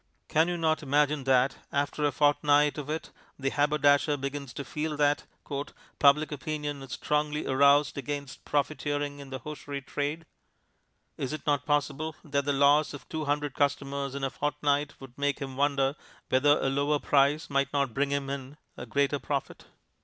Can you not imagine that, after a fortnight of it, the haberdasher begins to feel that "Public Opinion is strongly aroused against profiteering in the hosiery trade"? Is it not possible that the loss of two hundred customers in a fortnight would make him wonder whether a lower price might not bring him in a greater profit?